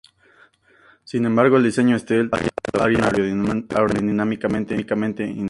Sin embargo el diseño Stealth haría al avión aerodinámicamente inestable.